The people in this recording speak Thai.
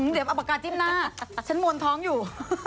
เดี๋ยวอัปกาศจิ้มหน้าฉันมวลท้องอยู่